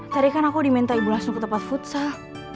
tadi kan aku diminta ibu langsung ke tempat futsal